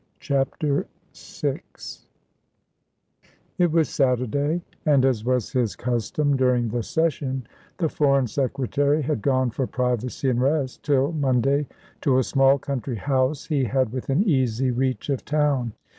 CHAPTER SIX It was Saturday and, as was his custom during the session, the Foreign Secretary had gone for privacy and rest till Monday to a small country house he had within easy reach of town.